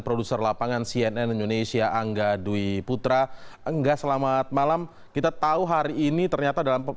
pasal mana saja yang akan diubah nantinya